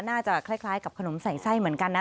น่าจะคล้ายกับขนมใส่ไส้เหมือนกันนะ